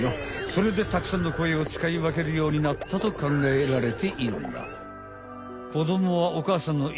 それでたくさんの声をつかいわけるようになったとかんがえられているんだ。